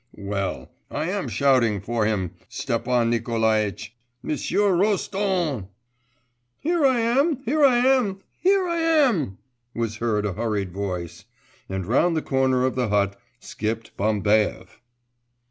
'Well, I am shouting for him, Stepan Nikolaitch! M'sieu Roston!' 'Here I am, here I am, here I am!' was heard a hurried voice, and round the corner of the hut skipped Bambaev.